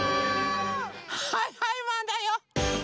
はいはいマンだよ。